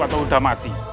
atau sudah mati